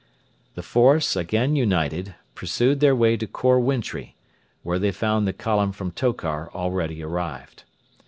The force, again united, pursued their way to Khor Wintri, where they found the column from Tokar already arrived.